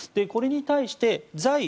これに対して在